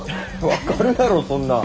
分かるやろそんな。